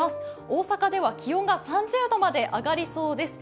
大阪では気温が３０度まで上がりそうです。